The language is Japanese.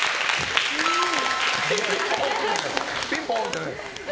ピンポーンじゃないです！